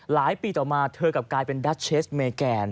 หลายปีต่อมาเธอกลับกลายเป็นดัชเชสเมแกน